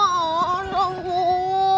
bang uzieknya pada ngawur